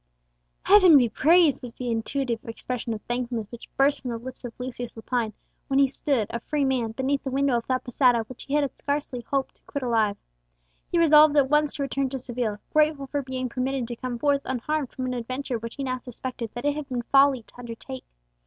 "Heaven be praised!" was the intuitive expression of thankfulness which burst from the lips of Lucius Lepine, when he stood, a free man, beneath the window of that posada which he had scarcely hoped to quit alive. He resolved at once to return to Seville, grateful for being permitted to come forth unharmed from an adventure which he now suspected that it had been folly to undertake.